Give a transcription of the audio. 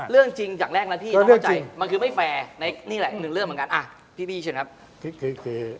เรื่องจริงจากแรกน่ะผมเข้าใจมันคือไม่แฟร์นี่แหละหนึ่งเรื่องเหมือนกัน